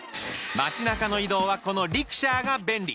街中の移動はこのリクシャーが便利。